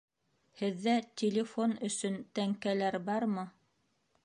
Һеҙҙә телефон өсөн тәңкәләр бармы?